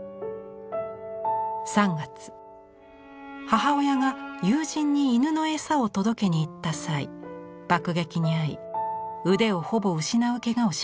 ３月母親が友人に犬の餌を届けに行った際爆撃に遭い腕をほぼ失うけがをしました。